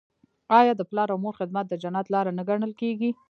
آیا د پلار او مور خدمت د جنت لاره نه ګڼل کیږي؟